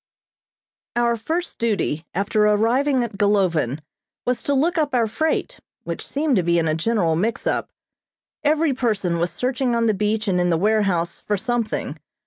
Our first duty after arriving at Golovin was to look up our freight, which seemed to be in a general mix up. Each person was searching on the beach and in the warehouse for something.